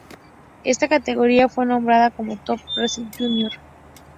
Esta categoría fue nombrada como Top Race Junior.